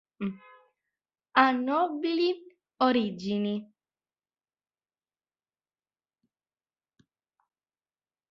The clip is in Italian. Ha nobili origini.